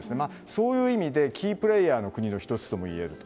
そういう意味でキープレーヤーの国の１つでもあると。